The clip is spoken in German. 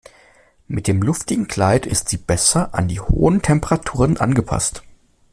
Mit dem luftigen Kleid ist sie besser an die hohen Temperaturen angepasst.